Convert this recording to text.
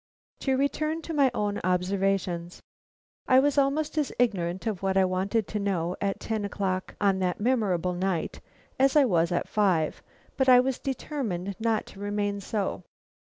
To return to my own observations. I was almost as ignorant of what I wanted to know at ten o'clock on that memorable night as I was at five, but I was determined not to remain so.